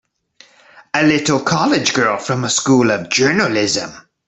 A little college girl from a School of Journalism!